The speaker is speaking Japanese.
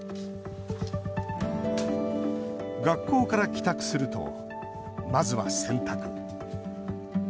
学校から帰宅すると、まずは洗濯。